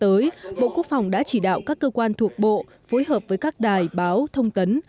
tới bộ quốc phòng đã chỉ đạo các cơ quan thuộc bộ phối hợp với các đài báo thông tấn